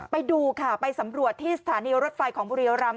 ไปดูค่ะไปสำรวจที่สถานีรถไฟของบุรีรำ